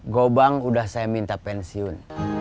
gobang udah saya minta pensiun